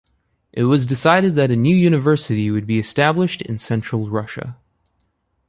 It was decided that a new university would be established in central Russia.